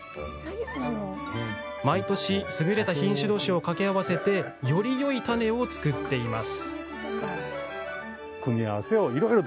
毎年、優れた品種どうしを掛け合わせよりよい種を作っています。